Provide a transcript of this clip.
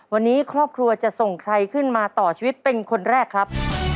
วันนี้ครอบครัวจะส่งใครขึ้นมาต่อชีวิตเป็นคนแรกครับ